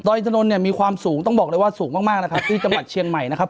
อินทนนท์เนี่ยมีความสูงต้องบอกเลยว่าสูงมากมากนะครับที่จังหวัดเชียงใหม่นะครับ